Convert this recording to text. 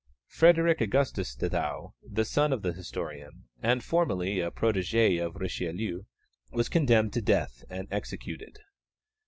Frederick Augustus de Thou, the son of the historian, and formerly a protégé of Richelieu, was condemned to death and executed.